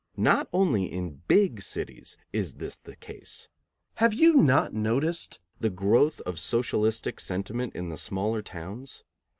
Not only in big cities is this the case. Have you not noticed the growth of socialistic sentiment in the smaller towns?